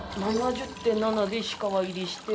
７０．７で石川入りして。